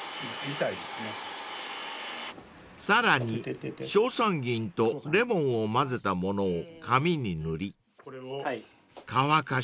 ［さらに硝酸銀とレモンを混ぜたものを紙に塗り乾かし